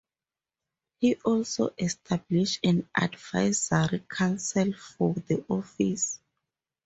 He also established an advisory council for the office.